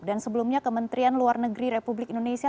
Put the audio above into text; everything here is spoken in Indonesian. dan sebelumnya kementerian luar negeri republik indonesia